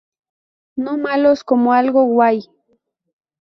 No malos como algo guay.